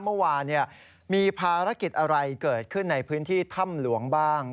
เมื่อวานมีภารกิจอะไรเกิดขึ้นในพื้นที่ถ้ำหลวงบ้าง